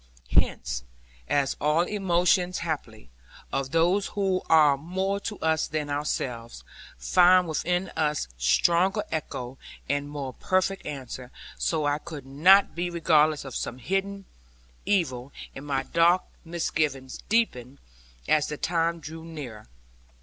Hence, as all emotions haply, of those who are more to us than ourselves, find within us stronger echo, and more perfect answer, so I could not be regardless of some hidden evil; and my dark misgivings deepened as the time drew nearer.